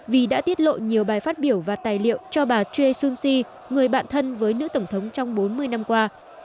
vì đã tiết lộ nhiều bài phát biểu và tài liệu cho bà che sung si người bạn thân với nữ tổng thống trong bốn mươi năm qua